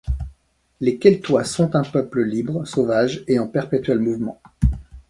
Les Keltois sont un peuple libre, sauvage et en perpétuel mouvement.